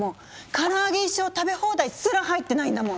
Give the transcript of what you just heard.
からあげ一生食べ放題すら入ってないんだもん！